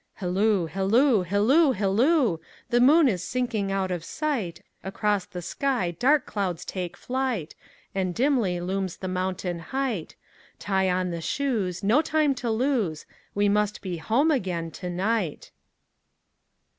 Hilloo, hilloo, hilloo, hilloo! The moon is sinking out of sight, Across the sky dark clouds take flight, And dimly looms the mountain height; Tie on the shoes, no time to lose, We must be home again to night.